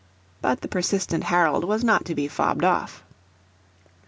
But the persistent Harold was not to be fobbed of.